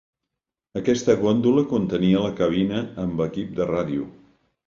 Aquesta góndola, contenia la cabina amb equip de ràdio.